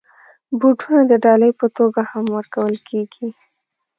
بوټونه د ډالۍ په توګه هم ورکول کېږي.